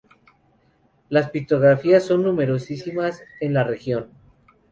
Las pictografías son numerosísimas en la región.